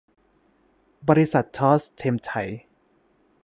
บริษัท ทอส เท็มไทย